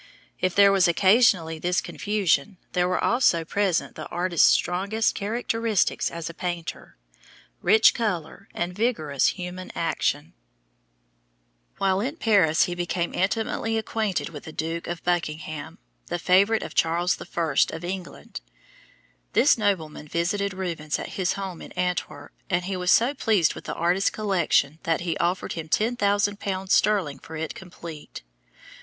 If there was occasionally this confusion, there were also present the artist's strongest characteristics as a painter rich color and vigorous human action. [Illustration: ELEVATION OF THE CROSS Rubens] While in Paris he became intimately acquainted with the Duke of Buckingham, the favorite of Charles I. of England. This nobleman visited Rubens at his home in Antwerp and he was so pleased with the artist's collection that he offered him ten thousand pounds sterling for it complete.